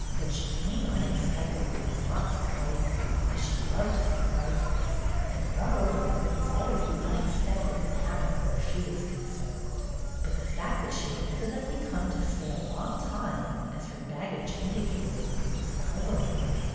That she came unexpectedly was not surprising, as she loved surprises, and moreover it was always the unexpected that happened where she was concerned; but the fact that she had evidently come to stay a long time, as her baggage indicated, was puzzling.